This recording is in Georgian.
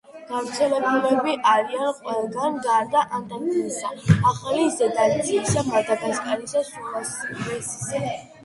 გავრცელებული არიან ყველგან გარდა ანტარქტიდისა, ახალი ზელანდიისა, მადაგასკარისა, სულავესისა